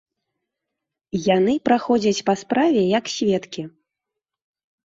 Яны праходзяць па справе як сведкі.